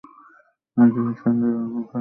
আজই এই সন্ধ্যাতেই এই অপেক্ষাকে সে পূর্ণ করিবে।